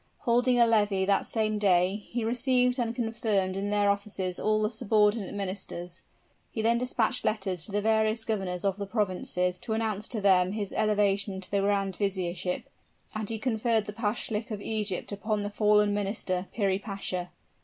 Holding a levee that same day, he received and confirmed in their offices all the subordinate ministers; he then dispatched letters to the various governors of provinces to announce to them his elevation to the grand viziership; and he conferred the Pashalic of Egypt upon the fallen minister, Piri Pasha.